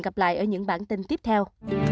hẹn gặp lại ở những bản tin tiếp theo